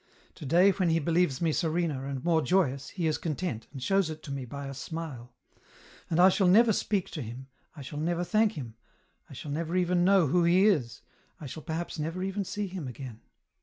To da> when he believes me serener, and more joyous, he is content, and shows it to me by a smile ; and I shall never speak to him, I shall never thank him, I shall never even know who he is, I shall perhaps never even see him again.